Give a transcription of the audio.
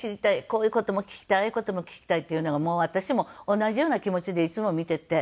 こういう事も聞きたいああいう事も聞きたいっていうのがもう私も同じような気持ちでいつも見ていて。